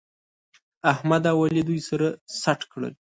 احمد او علي دوی سره سټ کړل